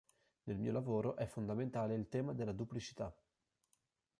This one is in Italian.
Nel mio lavoro è fondamentale il tema della duplicità.